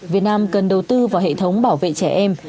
việt nam cần đầu tư vào hệ thống bảo vệ trẻ em